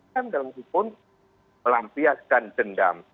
dan dalam situ pun melampiaskan dendam